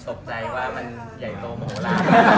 ตกใจว่ามันใหญ่โตโมโหลาน